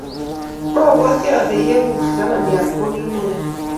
Mabwoti ale ieku kibananiat ko kiy neya